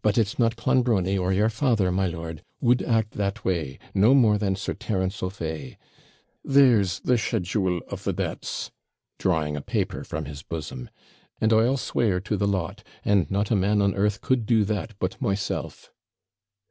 But it's not Clonbrony, or your father, my lord, would act that way, no more than Sir Terence O'Fay there's the schedule of the debts,' drawing a paper from his bosom; 'and I'll swear to the lot, and not a man on earth could do that but myself.'